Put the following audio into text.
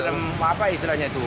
apa istilahnya itu